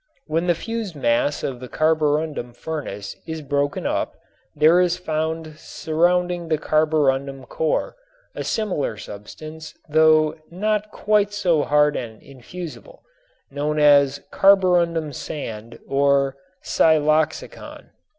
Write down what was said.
When the fused mass of the carborundum furnace is broken up there is found surrounding the carborundum core a similar substance though not quite so hard and infusible, known as "carborundum sand" or "siloxicon."